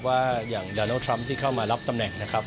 ว่าอย่างดานัลดทรัมป์ที่เข้ามารับตำแหน่งนะครับ